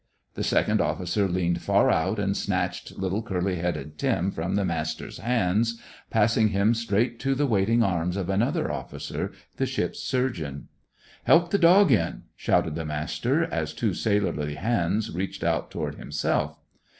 The second officer leaned far out, and snatched little curly headed Tim from the Master's hands, passing him straight to the waiting arms of another officer, the ship's surgeon. "Help the dog in!" shouted the Master, as two sailorly hands reached out toward himself.